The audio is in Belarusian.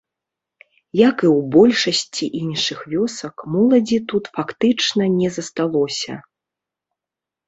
Як і ў большасці іншых вёсак, моладзі тут фактычна не засталося.